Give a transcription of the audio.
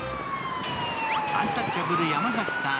アンタッチャブル山崎さん